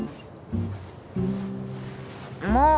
もう！